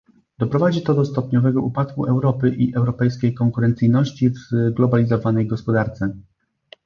Doprowadzi to do stopniowego upadku Europy i europejskiej konkurencyjności w zglobalizowanej gospodarce